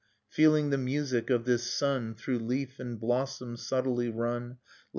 Feeling the music of this sun Through leaf and blossom subtly run .